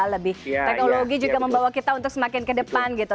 lebih teknologi juga membawa kita untuk semakin ke depan gitu